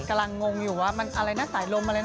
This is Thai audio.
งงอยู่ว่ามันอะไรนะสายลมอะไรนะ